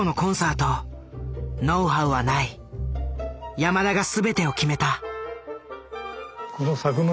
山田が全てを決めた。